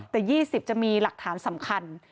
แต่๒๐จะมีหลักฐานสำคัญ